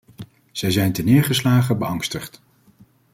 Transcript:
Zij zijn terneergeslagen, beangstigd.